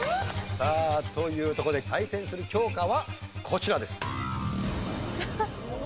さあというとこで対戦する教科はこちらです。